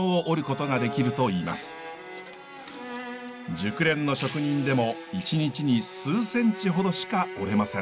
熟練の職人でも１日に数センチほどしか織れません。